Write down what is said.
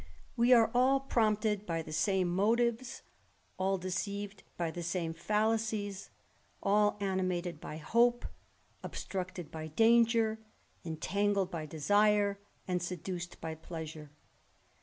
We are all prompted by the same motives, all deceived by the same fallacies, all ani mated by hope, obstructed by danger, entangled by desire, and seduced by pleasure.